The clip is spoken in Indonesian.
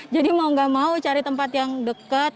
jadi mau nggak mau cari tempat yang dekat